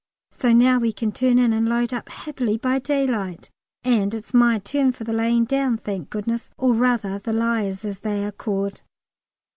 so now we can turn in, and load up happily by daylight, and it's my turn for the lying down, thank goodness, or rather the Liers, as they are called.